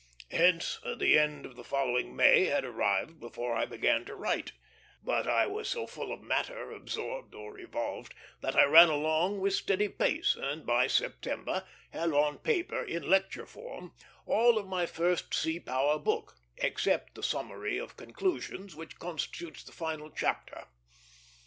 Hence the end of the following May had arrived before I began to write; but I was so full of matter, absorbed or evolved, that I ran along with steady pace, and by September had on paper, in lecture form, all of my first Sea Power book, except the summary of conclusions which constitutes the final chapter.